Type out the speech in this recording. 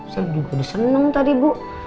saya juga senang tadi bu